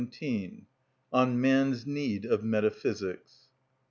(27) On Man's Need Of Metaphysics.